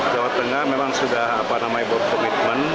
jawa tengah memang sudah membuat komitmen